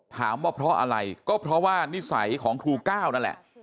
ถามว่าเพราะอะไรก็เพราะว่านิสัยของครูก้าวนั่นแหละ